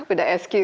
udah sq kan